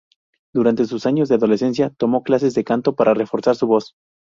Durante sus años de adolescencia tomó clases de canto para reforzar su voz.